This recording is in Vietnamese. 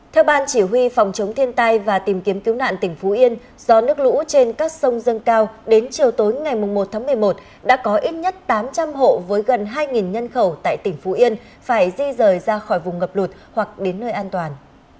theo ban chỉ huy phòng chống thiên tai và tìm kiếm cứu nạn tỉnh phú yên do nước lũ trên các sông dâng cao đến chiều tối ngày một tháng một mươi một đã có ít nhất tám trăm linh hộ với gần hai nhân khẩu tại tỉnh phú yên phải di rời ra khỏi vùng ngập lụt hoặc đến nơi an toàn